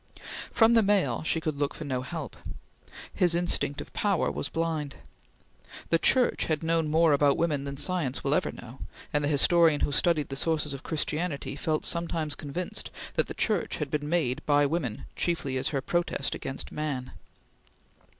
From the male, she could look for no help; his instinct of power was blind. The Church had known more about women than science will ever know, and the historian who studied the sources of Christianity felt sometimes convinced that the Church had been made by the woman chiefly as her protest against man.